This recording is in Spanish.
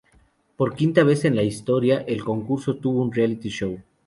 Por quinta vez en la historia, el concurso tuvo un Reality Show.